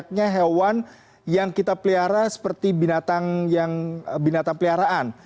banyaknya hewan yang kita pelihara seperti binatang peliharaan